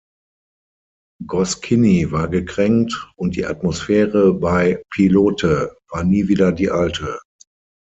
Goscinny war gekränkt, und die Atmosphäre bei "Pilote" war nie wieder die alte.